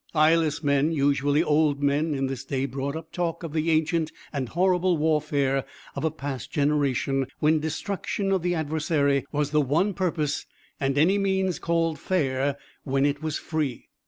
Eyeless men, usually old men, in this day brought up talk of the ancient and horrible warfare of a past generation, when destruction of the adversary was the one purpose and any means called fair when it was free.